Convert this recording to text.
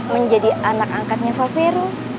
menjadi anak angkatnya pak vero